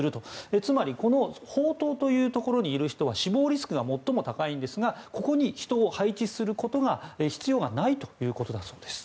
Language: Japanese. つまりこの砲塔というところにいる人は死亡リスクが最も高いんですがここに人を配置することが必要がないということです。